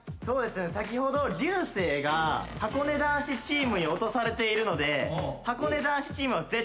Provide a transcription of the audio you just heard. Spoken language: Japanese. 先ほど流星がはこね男子チームに落とされているので。